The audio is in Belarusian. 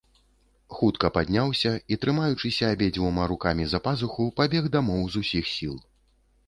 Хутка падняўся і, трымаючыся абедзвюма рукамі за пазуху, пабег дамоў з усіх сіл.